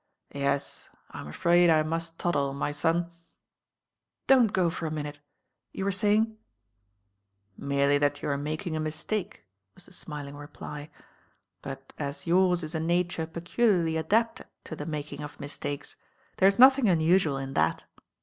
I'Yes,^ Vm afraid I must toddle, ray son." "Don't^ go for a minute. You were say "Merely that you are making a mistake," was the smiling reply. "But as yours is a nature peculiarly adapted to the making of mistakes, there's nothing unusual in that.